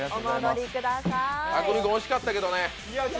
匠海君、惜しかったけどね。